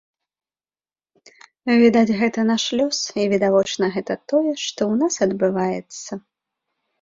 Відаць, гэта наш лёс і, відавочна, гэта тое, што ў нас адбываецца.